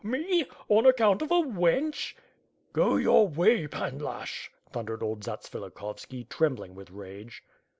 Me? On account of a wench?" "Go your way, Pan Lasheh," thundered old Zatsvilikhovski trembling with rage.